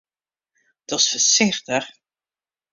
Dochst foarsichtich?